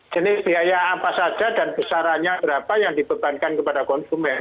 jenis biaya apa saja dan besarannya berapa yang dibebankan kepada konsumen